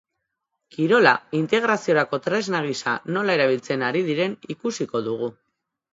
Kirola integraziorako tresna gisa nola erabiltzen ari diren ikusiko dugu.